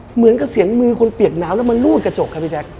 เหมือนกับเสียงมือคนเปียกน้ำแล้วมันรูดกระจกครับพี่แจ๊ค